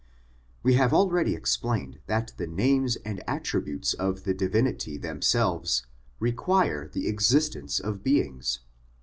We have already explained that the names and attributes of the Divinity themselves require the existence of beings.